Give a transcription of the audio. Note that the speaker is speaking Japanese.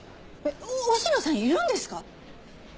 忍野さんいるんですか？